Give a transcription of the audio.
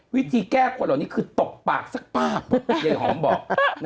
วิธีแก้คนเหล่านี้คือตบปากสักปากยายหอมบอก